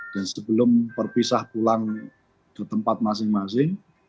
dan sebelum berpisah pulang ke tempat masing masing